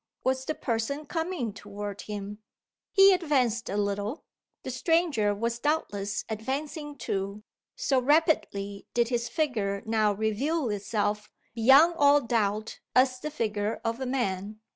Was the person coming toward him? He advanced a little. The stranger was doubtless advancing too, so rapidly did his figure now reveal itself, beyond all doubt, as the figure of a man.